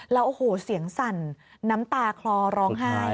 แล้วเสียงสันน้ำตาคลอร้องไห้